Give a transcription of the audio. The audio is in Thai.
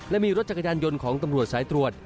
และมีรถจักรยานยนต์ของตำรวจสายตรวจ